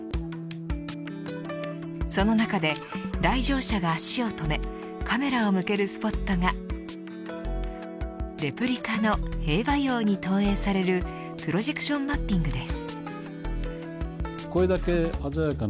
その中で来場者が足を止めカメラを向けるスポットがレプリカの兵馬俑に投影されるプロジェクションマッピングです。